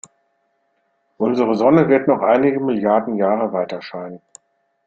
Unsere Sonne wird noch einige Milliarden Jahre weiterscheinen.